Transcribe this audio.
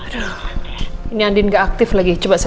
nomor yang ada tujuh tidak dapat menerima panggilan